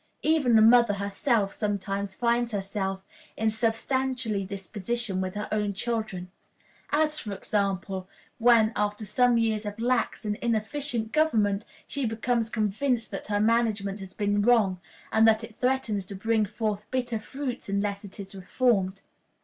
Even the mother herself sometimes finds herself in substantially this position with her own children; as, for example, when after some years of lax and inefficient government she becomes convinced that her management has been wrong, and that it threatens to bring forth bitter fruits unless it is reformed.